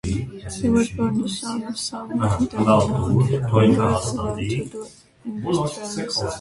He was born the son of Sonia and Emmanuel Weber, a well-to-do industrialist.